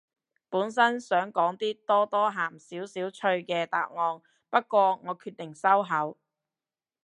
本身想講啲多多鹹少少趣嘅答案，不過我決定收口